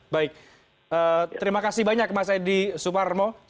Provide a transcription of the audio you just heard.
baik terima kasih banyak mas edi suparmo